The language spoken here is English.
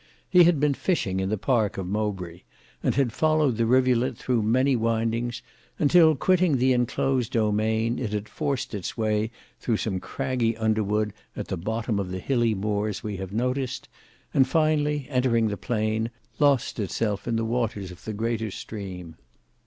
He had been fishing in the park of Mowbray, and had followed the rivulet through many windings until, quitting the enclosed domain it had forced its way through some craggy underwood at the bottom of the hilly moors we have noticed, and finally entering the plain, lost itself in the waters of the greater stream.